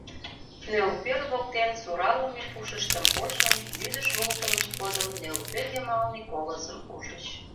Нӧлпер воктен суралыме пушыштым почын, вӱдыш волтымышт годым нӧлпӧ йымалне колызым ужыч.